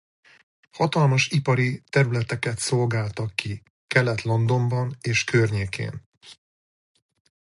Hatalmas ipari területeket szolgáltak ki Kelet-Londonban és környékén.